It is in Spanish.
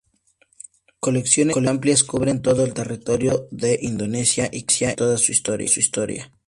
Sus colecciones amplias cubren todo el territorio de Indonesia y casi toda su historia.